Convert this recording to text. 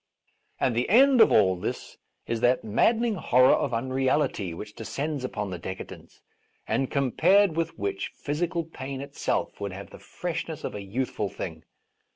And the end of all this is that maddening horror of unreality which descends upon A Defence of Rash Vows the decadents, and compared with which physical pain itself would have the freshness of a youthful thing.